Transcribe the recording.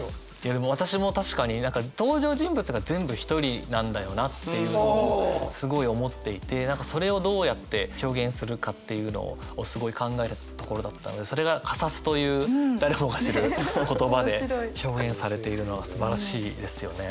でも私も確かに何か登場人物が全部一人なんだよなっていうのをすごい思っていて何かそれをどうやって表現するかっていうのをすごい考えたところだったのでそれが「火サス」という誰もが知る言葉で表現されているのはすばらしいですよね。